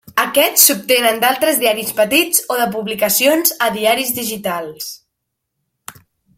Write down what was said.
Aquests s'obtenen d'altres diaris petits o de publicacions a diaris digitals.